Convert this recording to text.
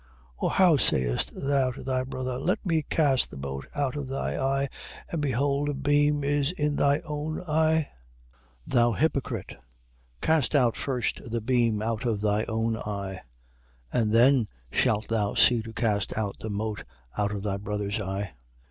7:4. Or how sayest thou to thy brother: Let me cast the mote out of thy eye; and behold a beam is in thy own eye? 7:5. Thou hypocrite, cast out first the beam out of thy own eye, and then shalt thou see to cast out the mote out of thy brother's eye.